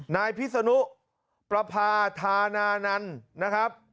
นายพิศนุประพาธานานันต์นะครับ